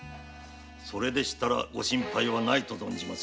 それでしたらご心配はないと存じますが。